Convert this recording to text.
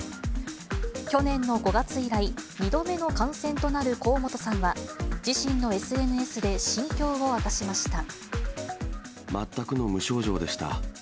去年の５月以来、２度目の感染となる河本さんは、自身のＳＮＳで心境を明かしまし全くの無症状でした。